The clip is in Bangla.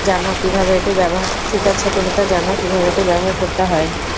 ঠিক আছে, তুমি জানো কিভাবে এটি ব্যবহার করতে হয়?